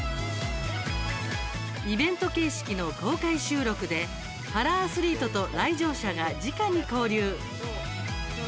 イベント形式の公開収録でパラアスリートと来場者がじかに交流。